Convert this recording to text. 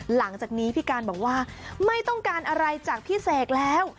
หลังจากนี้พี่การบอกว่าไม่ต้องการอะไรจากพี่เสกแล้ว